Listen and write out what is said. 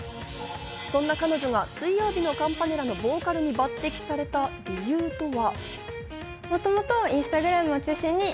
そんな彼女が水曜日のカンパネラのボーカルに抜擢された理由とは。